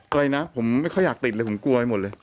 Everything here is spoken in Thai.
ทะเลยนะผมไม่ค่อยอยากติดผมกลัวให้เลย